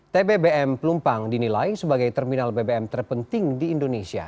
tbbm pelumpang dinilai sebagai terminal bbm terpenting di indonesia